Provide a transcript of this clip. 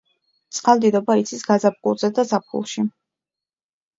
წყალდიდობა იცის გაზაფხულზე და ზაფხულში.